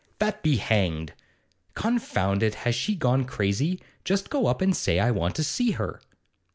'That be hanged! Confound it, has she gone crazy? Just go up and say I want to see her.